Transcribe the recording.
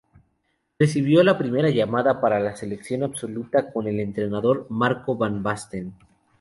Recibió la primera llamada para la selección absoluta con el entrenador Marco van Basten.